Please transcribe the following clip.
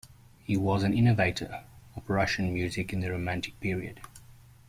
He was an innovator of Russian music in the romantic period.